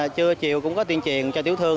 trưa chiều cũng có tuyên truyền cho tiểu thương